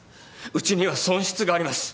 うちには損失があります。